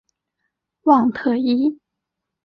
旺特伊。